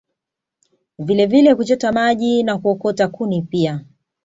Vilevile kuchota maji na kuokota kuni pia